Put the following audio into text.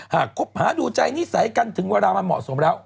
คบหาดูใจนิสัยกันถึงเวลามันเหมาะสมแล้ว